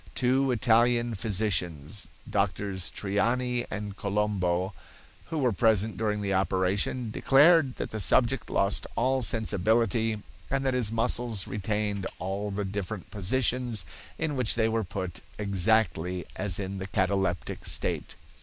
Two Italian physicians, Drs. Triani and Colombo who were present during the operation, declared that the subject lost all sensibility and that his muscles retained all the different positions in which they were put exactly as in the cataleptic state.